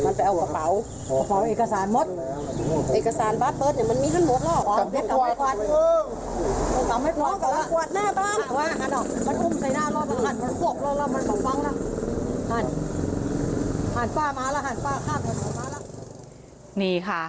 นี่ค่ะ